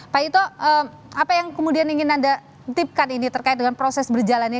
pak ito apa yang kemudian ingin anda titipkan ini terkait dengan proses berjalannya